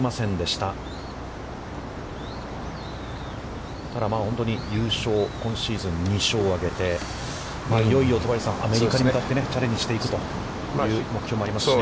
ただ、本当に優勝、今シーズン２勝を上げていよいよ戸張さん、アメリカへ向かって、チャレンジしていくという目標もありますしね。